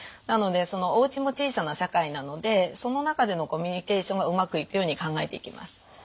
なのでそのおうちも小さな社会なのでその中でのコミュニケーションがうまくいくように考えていきます。